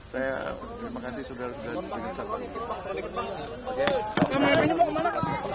saya kira itu saja terima kasih